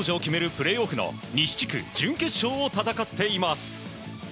プレーオフの西地区準決勝を戦っています。